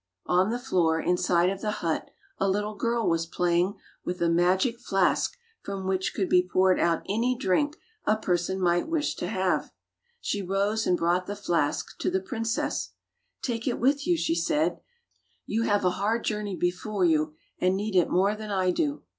On the fioor, inside of the hut, a little girl was playing with a magic fiask from which could be poured out any drink a person might wish to have. She rose and brought 133 Fairy Tale Bears the flask to the princess. ''Take it with you," she said. "You have a hard journey before you and need it more than I do."